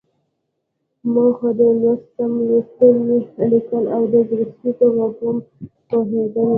موخه: د لوست سم لوستل، ليکل او د زړه سوي په مفهوم پوهېدل.